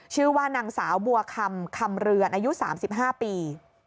ชื่อว่านางสาวบัวคำคำเรือนอายุ๓๕ปี